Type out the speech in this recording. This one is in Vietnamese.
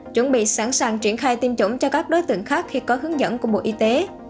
chuẩn bị sẵn sàng triển khai tiêm chủng cho các đối tượng khác khi có hướng dẫn của bộ y tế